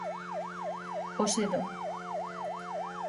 Osedo.